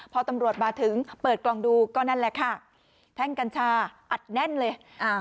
พอตำรวจมาถึงเปิดกล่องดูก็นั่นแหละค่ะแท่งกัญชาอัดแน่นเลยอ่า